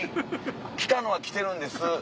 来たのは来てるんです